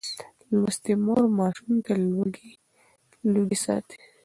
لوستې مور ماشوم له لوګي ساتي.